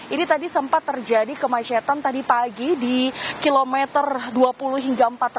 ini tadi sempat terjadi kemacetan tadi pagi di kilometer dua puluh hingga empat ratus